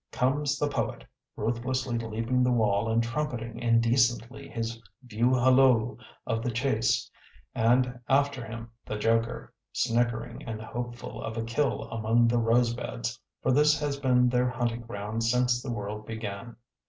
Comes the poet, ruthlessly leaping the wall and trumpeting indecently his view halloo of the chase, and, after him, the joker, snickering and hopeful of a kill among the rose beds; for this has been their hunting ground since the world began.